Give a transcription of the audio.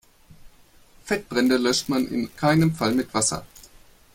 Fettbrände löscht man in keinem Fall mit Wasser.